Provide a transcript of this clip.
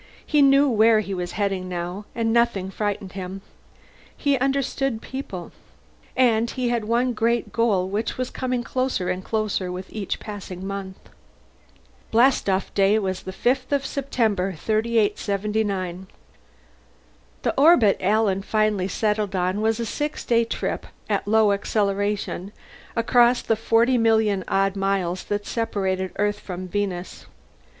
He knew where he was heading, now, and nothing frightened him. He understood people. And he had one great goal which was coming closer and closer with each passing month. Blastoff day was the fifth of September, 3879. The orbit Alan finally settled on was a six day trip at low acceleration across the 40,000,000 odd miles that separated Earth from Venus.